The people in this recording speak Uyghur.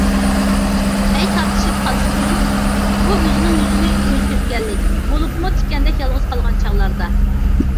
پەي تارتىشىپ قالسىچۇ؟ بۇ ئۆزىنىڭ يۈزىنى ئۆزى تۆككەنلىك، بولۇپمۇ تىكەندەك يالغۇز قالغان چاغلاردا.